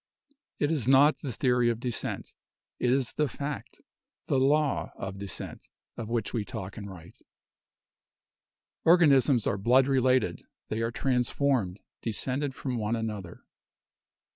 It is not the theory of descent: it is the fact, the law, of descent, of which we talk and write. Organisms are blood related; they are transformed, descended from one another."